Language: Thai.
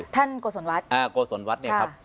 ท่านโกศลวัด